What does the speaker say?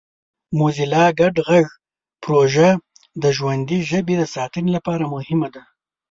موزیلا ګډ غږ پروژه د ژوندۍ ژبې د ساتنې لپاره مهمه ده.